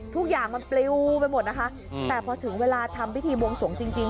ทุกอย่างมันปลิวไปหมดนะคะแต่พอถึงเวลาทำพิธีบวงสวงจริง